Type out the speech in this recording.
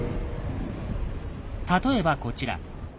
例えばこちら。